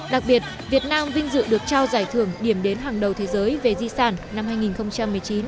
đặc biệt việt nam vinh dự được trao giải thưởng điểm đến hàng đầu thế giới về di sản năm hai nghìn một mươi chín